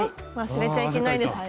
忘れちゃいけないです